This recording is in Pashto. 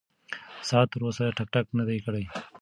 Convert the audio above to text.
ساعت تر اوسه ټک ټک نه دی کړی.